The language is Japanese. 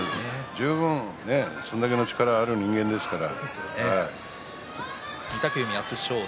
十分にそれだけの力がある人間ですから。